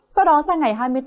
sau đó sang ngày hai mươi tám